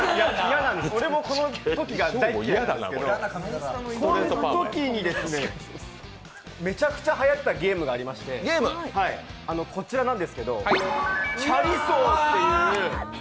俺もこのときが大嫌いなんですけど、このときに、めちゃくちゃはやったゲームがありましてこちらなんですけど、チャリ走っていう。